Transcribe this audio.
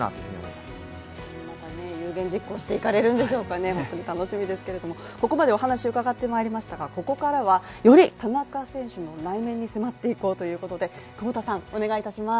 また有言実行していかれるんでしょうか、本当に楽しみですけれどもここまでお話を伺ってまいりましたがここからは、より田中選手の内面に迫っていこうということで久保田さん、お願いします。